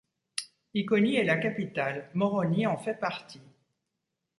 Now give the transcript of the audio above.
Iconi est la capitale, Moroni en fait partie.